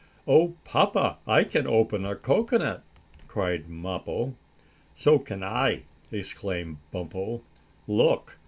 "Oh, papa, I can open a cocoanut!" cried Mappo. "So can I!" exclaimed Bumpo. "Look!"